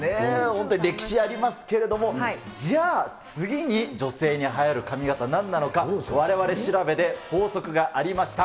本当に歴史ありますけれども、じゃあ、次に女性にはやる髪形、なんなのか、われわれ調べで、法則がありました。